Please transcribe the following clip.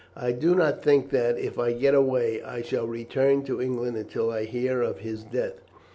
I do not think that, if I get away, I shall return to England until I hear of his death.